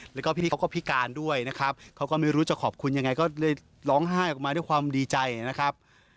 แล้วก็พี่เขาก็พิการด้วยนะครับเขาก็ไม่รู้จะขอบคุณยังไงก็เลยร้องไห้ออกมาด้วยความดีใจนะครับ